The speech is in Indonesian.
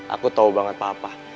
aku tau banget papa